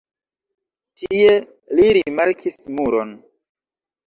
Tie li rimarkis muron.